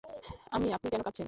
আম্মি আপনি কেন কাঁদছেন?